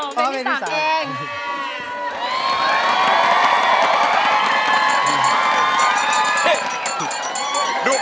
เพลงที่๓เอง